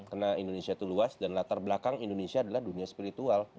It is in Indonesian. karena indonesia itu luas dan latar belakang indonesia adalah dunia spiritual